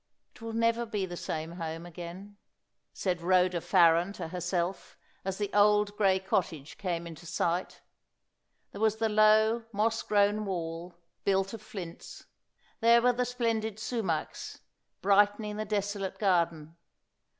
"It will never be the same home again," said Rhoda Farren to herself, as the old grey cottage came in sight. There was the low, moss grown wall, built of flints there were the splendid sumachs, brightening the desolate garden.